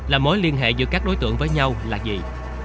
là mối liên hệ giữa các đối tượng với nhau là gì